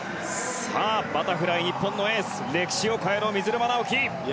バタフライ、日本のエース歴史を変えろ水沼尚輝。